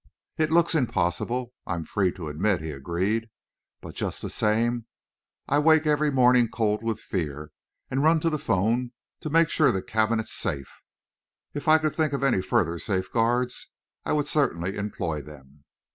"It looks impossible, I'm free to admit," he agreed. "But, just the same, I wake every morning cold with fear, and run to the 'phone to make sure the cabinet's safe. If I could think of any further safeguards, I would certainly employ them."